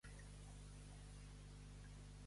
Ha obtingut algun reconeixement Vidal?